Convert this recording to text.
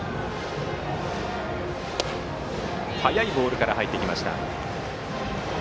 速いボールから入ってきました。